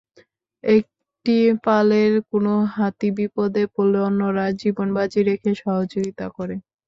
একটি পালের কোনো হাতি বিপদে পড়লে অন্যরা জীবন বাজি রেখে সহযোগিতা করে।